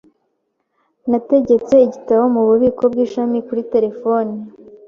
Nategetse igitabo mububiko bw'ishami kuri terefone.